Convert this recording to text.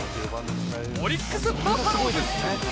オリックス・バファローズ。